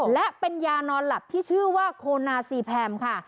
และเป็นยานอนหลับที่ชื่อว่าโคนาซีแพมค่ะ